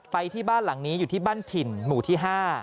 ไปที่บ้านหลังนี้อยู่ที่บ้านถิ่นหมู่ที่๕